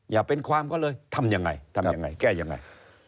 อย่าเป็นความก็เลยทำยังไงทำยังไงแก้ยังไง